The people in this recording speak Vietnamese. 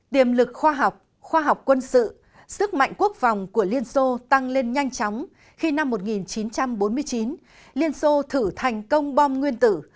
tiềm lực khoa học khoa học quân sự sức mạnh quốc phòng của liên xô tăng lên nhanh chóng khi năm một nghìn chín trăm bốn mươi chín liên xô thử thành công bom nguyên tử